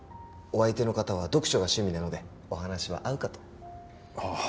お相手の方は読書が趣味なのでお話は合うかとはあ